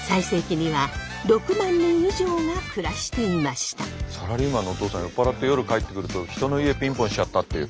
高度経済成長期のサラリーマンのおとうさん酔っ払って夜帰ってくると人の家ピンポンしちゃったっていう。